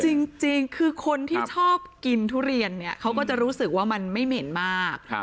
จริงคือคนที่ชอบกินทุเรียนเนี่ยเขาก็จะรู้สึกว่ามันไม่เหม็นมาก